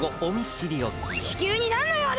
地球になんのようだ！？